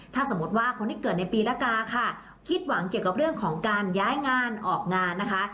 ถ้าสมมติว่าคนที่เกิดในปีละกาค่ะคิดหวังเกี่ยวกับเรื่องของการย้ายงานออกงานนะคะ